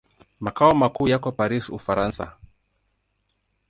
Makao makuu yako Paris, Ufaransa.